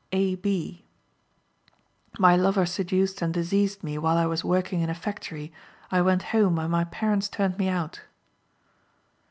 A. B.: "My lover seduced and diseased me while I was working in a factory. I went home, and my parents turned me out."